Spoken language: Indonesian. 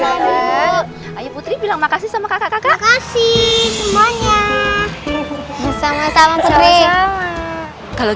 sama sama ibu ayu putri bilang makasih sama kakak kakak kasih semuanya sama sama kalau